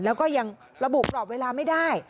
แล้วก็ยังระบุกรอบเวลาไม่ได้